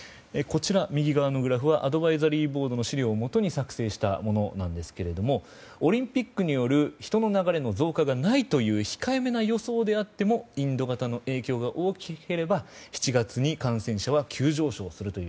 右側のグラフはアドバイザリーボードの資料をもとに作成したものなんですがオリンピックによる人の流れの増加がないという控えめな予想であってもインド型の影響が大きければ７月に感染者は急上昇するという